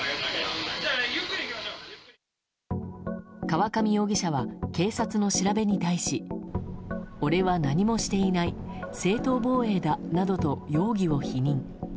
河上容疑者は警察の調べに対し俺は何もしていない正当防衛だなどと容疑を否認。